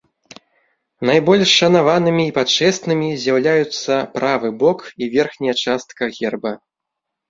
Найбольш шанаванымі і пачэснымі з'яўляюцца правы бок і верхняя частка герба.